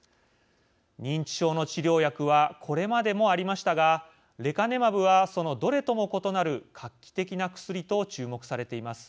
認知症の治療薬はこれまでもありましたがレカネマブはそのどれとも異なる画期的な薬と注目されています。